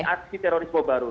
aksi terorisme baru